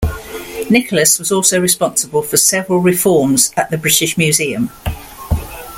Nicolas was also responsible for several reforms at the British Museum.